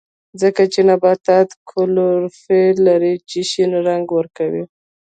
ځکه چې نباتات کلوروفیل لري چې شین رنګ ورکوي